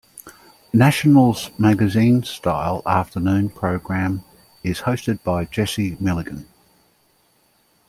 National's magazine-style afternoon programme is hosted by Jesse Milligan.